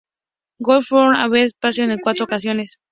Wolf ha estado en el espacio en cuatro ocasiones.